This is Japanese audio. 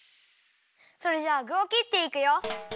それじゃあぐをきっていくよ。